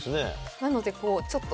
なのでこうちょっと。